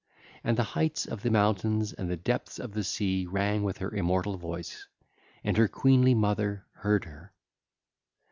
((LACUNA)) ....and the heights of the mountains and the depths of the sea rang with her immortal voice: and her queenly mother heard her.